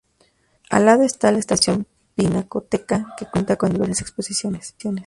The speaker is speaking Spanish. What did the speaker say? Al lado está la Estación Pinacoteca que cuenta con diversas exposiciones.